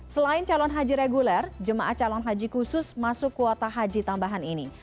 selain calon haji reguler jemaah calon haji khusus masuk kuota haji tambahan ini